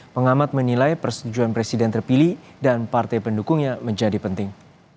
pengamat menilai persetujuan presiden terpilih dan partai pendukungnya menjadi penting